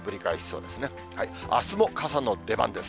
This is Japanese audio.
あすも傘の出番です。